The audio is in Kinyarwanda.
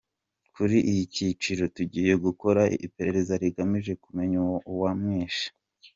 "Kuri iki cyiciro, tugiye gukora iperereza rigamije kumenya uwamwishe".